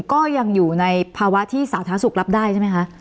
ก็ยังอยู่ในภาวะที่สาธารณสุขรับได้ใช่ไหมคะ